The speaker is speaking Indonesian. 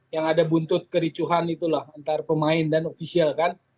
yang ada buntut kericuhan itulah antara pemain dan ofisial kan